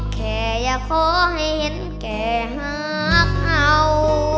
แค่อยากขอให้เห็นแก่หาเขา